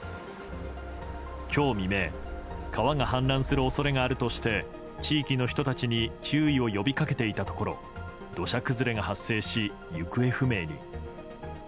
今日未明川が氾濫する恐れがあるとして地域の人たちに注意を呼び掛けていたところ土砂崩れが発生し、行方不明に。